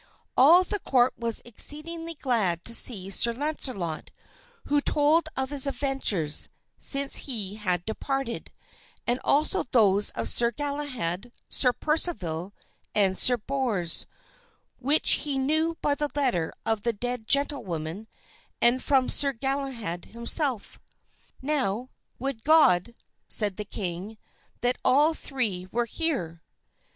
All the court was exceedingly glad to see Sir Launcelot, who told of his adventures since he had departed; and also those of Sir Galahad, Sir Percival, and Sir Bors, which he knew by the letter of the dead gentlewoman, and from Sir Galahad himself. "Now, would God," said the king, "that all three were here."